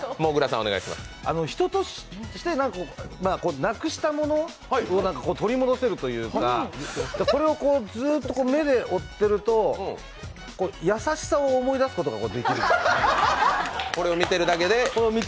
人として、なくしたものを取り戻せるというか、これをずっと目で追ってると優しさを思い出すことができる、これを見てるだけで。